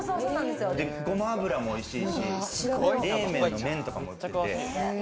ごま油も美味しいし、冷麺の麺とかも売ってて。